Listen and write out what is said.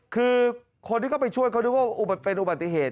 คือคนที่เข้าไปช่วยเขานึกว่าเป็นอุบัติเหตุ